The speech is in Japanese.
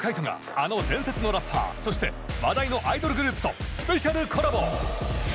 あの伝説のラッパーそして話題のアイドルグループとスペシャルコラボ！